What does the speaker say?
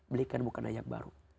belikan mukna yang baru